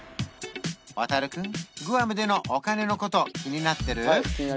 亘君グアムでのお金のこと気になってる？